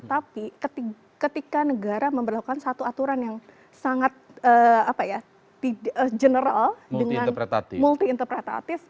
tapi ketika negara memperlakukan satu aturan yang sangat general dengan multi interpretatif